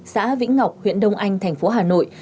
xã vĩnh ngọc huyện đông anh thành phố hà nội